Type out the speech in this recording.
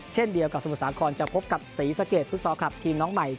เช่นเดียวกับสมุทรสาครจะพบกับศรีสะเกดฟุตซอลคลับทีมน้องใหม่